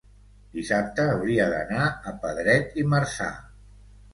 dissabte hauria d'anar a Pedret i Marzà.